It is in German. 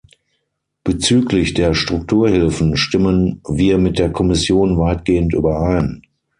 Bezüglich der Strukturhilfen stimmen wir mit der Kommission weitgehend überein.